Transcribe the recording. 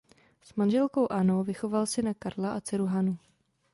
S manželkou Annou vychoval syna Karla a dceru Hanu.